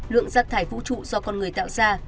lượng rác thải vũ trụ do con người tạo ra